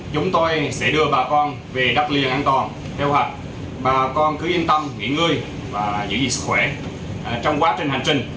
chúng tôi sẽ đưa bà con về đắp liền an toàn theo hạch bà con cứ yên tâm nghỉ ngơi và giữ gìn sức khỏe trong quá trình hành trình